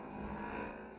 kabur lagi kejar kejar kejar